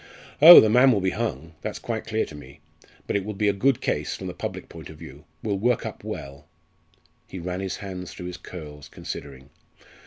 Oh! the man will be hung that's quite clear to me. But it will be a good case from the public point of view will work up well " He ran his hand through his curls, considering.